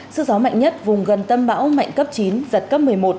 sức gió mạnh nhất vùng gần tâm bão mạnh cấp chín giật cấp một mươi một